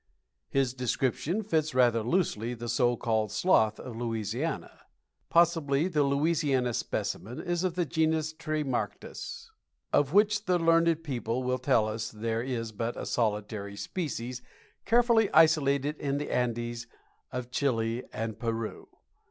His description fits rather loosely the so called sloth of Louisiana. Possibly the Louisiana specimen is of the Genus Tremarctos, of which the learned people tell us there is but a solitary species carefully isolated in the Andes of Chile and Peru.